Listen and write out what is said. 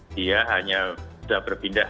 dia hanya sudah berpindah